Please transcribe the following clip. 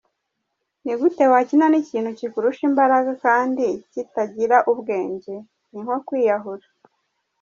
Ni gute wakina n’ikintu kikurusha imbaraga kandi kitagira ubwenge? Ni nko kwiyahura.